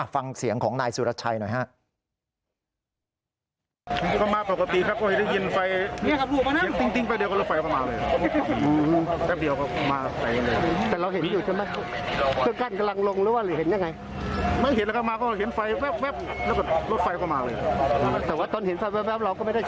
ฟังเสียงของนายสุรชัยหน่อยฮะ